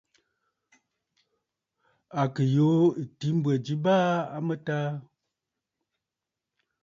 À kɨ̀ yùû ɨ̀tǐ mbwɛ̀ ji baa a mɨtaa.